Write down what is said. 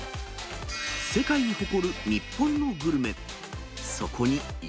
世界に誇る日本のグルメ。